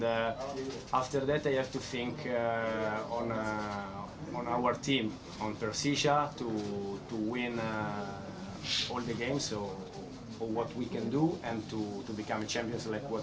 dan setelah itu saya harus berpikir tentang tim kita persija untuk menang semua pertandingan untuk apa yang kita bisa lakukan dan untuk menjadi pemenang